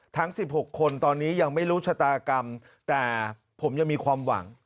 ทั้ง๑๖คนตอนนี้ยังไม่รู้ชะตากรรมแต่ผมยังมีความหวัง